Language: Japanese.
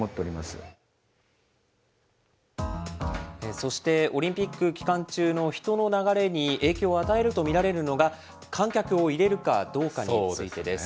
そしてオリンピック期間中の人の流れに影響を与えると見られるのが、観客を入れるかどうかについてです。